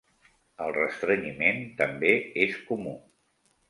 El restrenyiment també és comú.